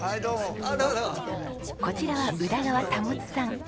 こちらは宇田川保さん。